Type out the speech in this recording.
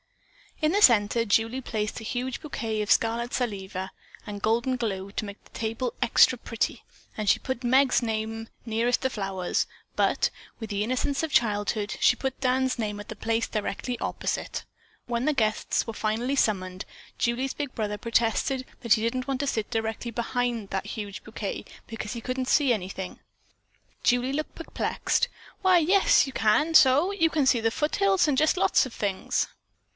In the center Julie placed a huge bouquet of scarlet salvia and golden glow to make the table "extra pretty," and she put Meg's name nearest the flowers, but, with the innocence of childhood, she put Dan's name at the place directly opposite. When the guests were finally summoned, Julie's big brother protested that he didn't want to sit directly behind that huge bouquet because he couldn't "see anything." Julie looked perplexed. "Why, yes, you can so! You can see the foothills, and just lots of things."